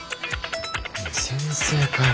先生かよ